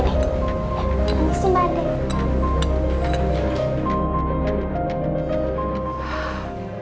ini sih mbak deh